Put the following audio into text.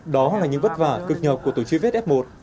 đó là những vất vả cực nhọc của tổ truy vết f một